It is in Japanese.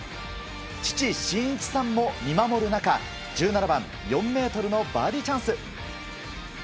父・真一さんも見守る中１７番４ｍのバーディーチャンス。